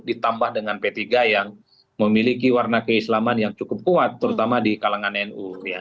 ditambah dengan p tiga yang memiliki warna keislaman yang cukup kuat terutama di kalangan nu